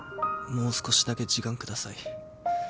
もう少しだけ時間下さい。